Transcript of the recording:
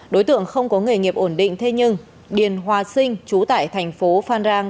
đối tượng không có nghề nghiệp ổn định thế nhưng điền hòa sinh trú tại thành phố phan rang